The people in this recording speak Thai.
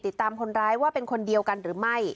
ติดตามคนร้ายว่าเป็นคนเดียวกันหรือไม่